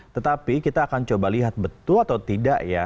tetapi kita akan coba lihat betul atau tidak ya